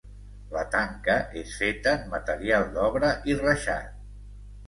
La tanca és feta en material d'obra i reixat.